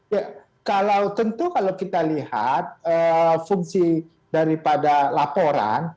ya kalau tentu kalau kita lihat fungsi daripada laporan